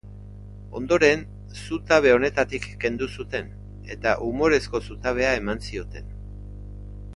Ondoren, zutabe honetatik kendu zuten eta umorezko zutabea eman zioten.